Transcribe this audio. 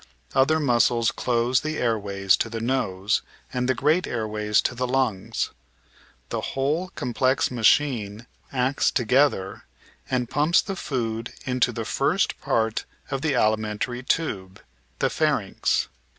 Other muscles close the air ways to the nose and the great airways to the lungs. The whole complex machine acts together and pumps the food into the first part of the alimentary tube, the pharynx.